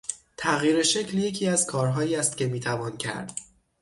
تغییر شغل یکی از کارهایی است که میتوان کرد.